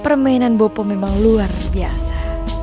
permainan bopo memang luar biasa